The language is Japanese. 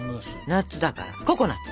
夏だからココナツ！